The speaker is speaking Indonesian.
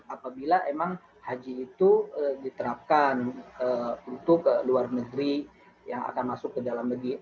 apabila emang haji itu diterapkan untuk luar negeri yang akan masuk ke dalam negeri